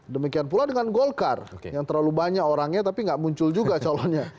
demikian pula dengan golkar yang terlalu banyak orangnya tapi nggak muncul juga calonnya